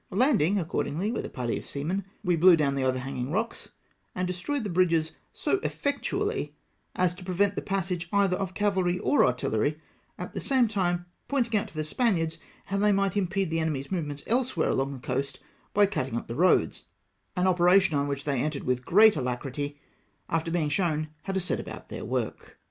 Landing accordingly with a party of seamen, we blew down the overhanging rocks and destroyed the bridges so effectually as to prevent the passage either of cavahy or artillery, at the same time pointing out to the Spaniards how they might impede the enemy's movements elsewhere along the coast by cutting up the roads, — an operation on which they entered with great alacrity, after being shown how to set about theu" work.